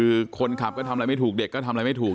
คือคนขับก็ทำอะไรไม่ถูกเด็กก็ทำอะไรไม่ถูก